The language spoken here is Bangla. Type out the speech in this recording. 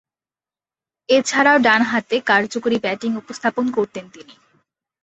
এছাড়াও ডানহাতে কার্যকরী ব্যাটিং উপস্থাপন করতেন তিনি।